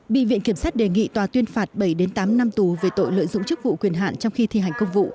bị viện kiểm sát đề nghị tòa tuyên phạt bảy tám năm tù về tội lợi dụng chức vụ quyền hạn trong khi thi hành công vụ